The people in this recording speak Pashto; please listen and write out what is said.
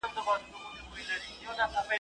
اور د خپلي لمني لگېږي